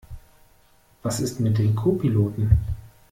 Was ist mit dem Co-Piloten?